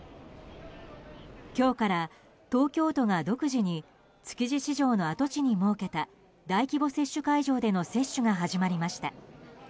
今日から東京都が独自に築地市場の跡地に設けた大規模接種会場での接種が始まりました。